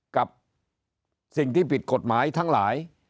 กับสิ่งที่ผิดกฎหมายทั้งหลาย